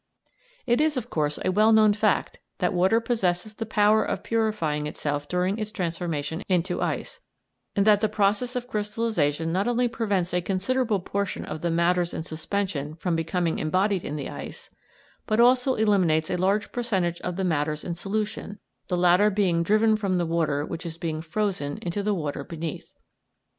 It is, of course, a well known fact that water possesses the power of purifying itself during its transformation into ice, and that the process of crystallisation not only prevents a considerable proportion of the matters in suspension from becoming embodied in the ice, but also eliminates a large percentage of the matters in solution, the latter being driven from the water which is being frozen into the water beneath.